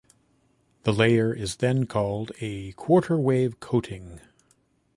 The layer is then called a "quarter-wave coating".